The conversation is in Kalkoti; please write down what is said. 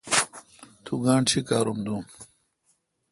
تو گانٹھ چیکّارام دون۔